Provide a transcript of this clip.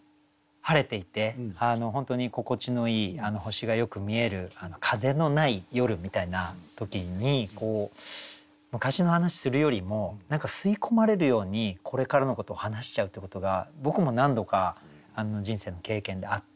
晴れていて本当に心地のいい星がよく見える風のない夜みたいな時に昔の話するよりも吸い込まれるようにこれからのことを話しちゃうってことが僕も何度か人生の経験であって。